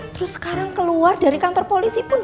terus sekarang keluar dari kantor polisi pun